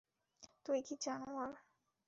তুই কি জানোয়ার?